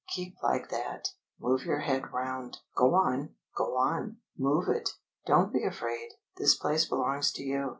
Keep like that. Move your head round. Go on! Go on! Move it! Don't be afraid. This place belongs to you.